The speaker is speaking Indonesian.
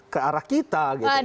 ke arah kita